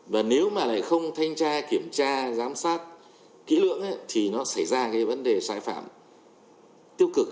và nếu mà lại không thanh tra kiểm tra giám sát kỹ lưỡng thì nó xảy ra cái vấn đề sai phạm tiêu cực